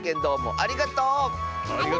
ありがとう！